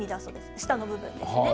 下の部分ですね。